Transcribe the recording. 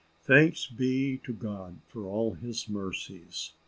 Thanks be to God for all his mercies.